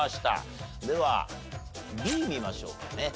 ではＢ見ましょうかね。